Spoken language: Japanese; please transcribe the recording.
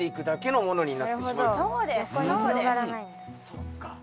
そっか。